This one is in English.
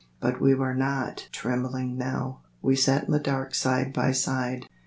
But we were not trembling now. We sat in the dark side by side.